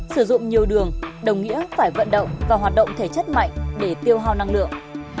sử dụng nhiều đường đồng nghĩa phải vận động và hoạt động thể chất mạnh để tiêu hao năng lượng